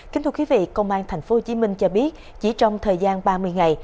kính thưa quý vị công an tp hcm cho biết chỉ trong thời gian ba mươi ngày